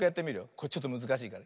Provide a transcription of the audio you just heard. これちょっとむずかしいから。